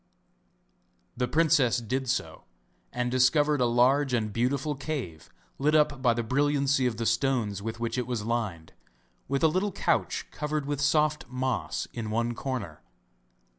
The princess did so and discovered a large and beautiful cave lit up by the brilliancy of the stones with which it was lined, with a little couch covered with soft moss in one corner.